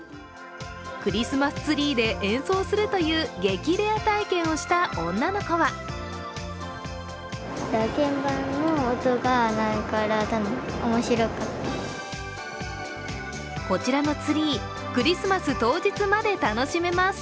クリスマスツリーで演奏するという激レア体験をした女の子はこちらのツリー、クリスマス当日まで楽しめます。